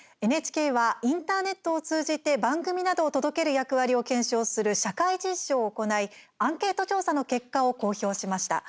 ＮＨＫはインターネットを通じて番組などを届ける役割を検証する社会実証を行いアンケート調査の結果を公表しました。